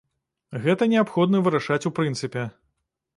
Гэта неабходна вырашаць у прынцыпе.